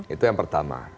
itu yang pertama